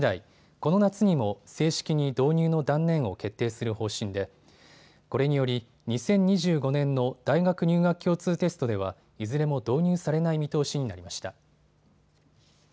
この夏にも正式に導入の断念を決定する方針でこれにより２０２５年の大学入学共通テストではいずれも導入されない見通しになりました。